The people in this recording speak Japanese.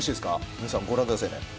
皆さんご覧くださいね。